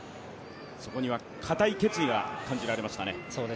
そこには固い決意が感じられましたね。